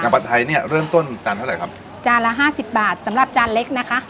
ผัดไทยเนี้ยเริ่มต้นจานเท่าไหร่ครับจานละห้าสิบบาทสำหรับจานเล็กนะคะ